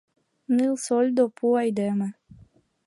— Ныл сольдо, пу айдеме.